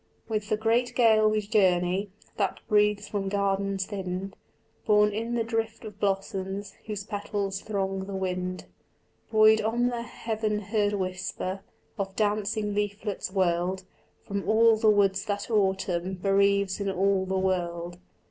With the great gale we journey That breathes from gardens thinned, Borne in the drift of blossoms Whose petals throng the wind; Buoyed on the heaven heard whisper Of dancing leaflets whirled From all the woods that autumn Bereaves in all the world.